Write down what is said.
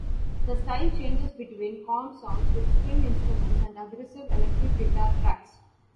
The style changes between calm songs with string instruments and aggressive electric guitar tracks.